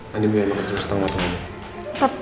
nadina makan tulis tangan matang aja